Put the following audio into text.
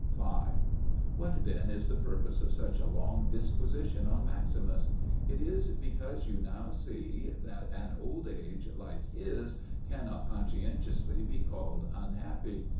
5. What then is the purpose of such a long disquisition on Maximus? It is because you now see that an old age like his cannot conscientiously be called unhappy.